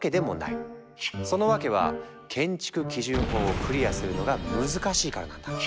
その訳は建築基準法をクリアするのが難しいからなんだ。